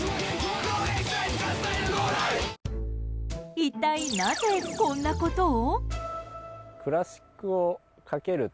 一体なぜ、こんなことを？